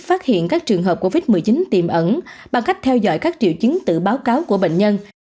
phát hiện các trường hợp covid một mươi chín tiềm ẩn bằng cách theo dõi các triệu chứng từ báo cáo của bệnh nhân